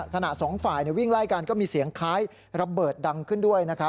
สองฝ่ายวิ่งไล่กันก็มีเสียงคล้ายระเบิดดังขึ้นด้วย